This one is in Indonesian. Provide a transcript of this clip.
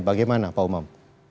bagaimana pak umam